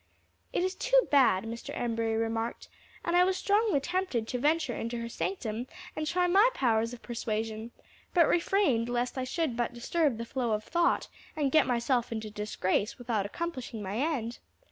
"It is too bad," Mr. Embury remarked, "and I was strongly tempted to venture into her sanctum and try my powers of persuasion; but refrained lest I should but disturb the flow of thought and get myself into disgrace without accomplishing my end.